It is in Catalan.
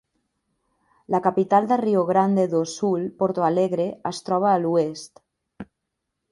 La capital de Rio Grande do Sul, Porto Alegre, es troba a l'oest.